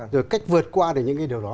rồi cách vượt qua được những cái điều đó